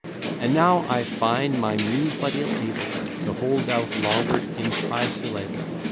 And now I find my Muse but ill able, To hold out longer in trissyllable.